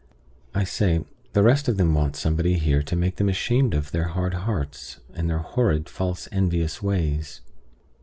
I say, the rest of them want somebody here to make them ashamed of their hard hearts, and their horrid, false, envious ways.